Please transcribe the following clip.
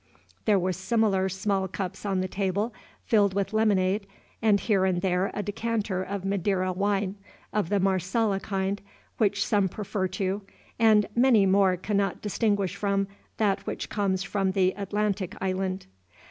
There were similar small cups on the table filled with lemonade, and here and there a decanter of Madeira wine, of the Marsala kind, which some prefer to, and many more cannot distinguish from, that which comes from the Atlantic island.